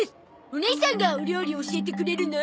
おねいさんがお料理教えてくれるの？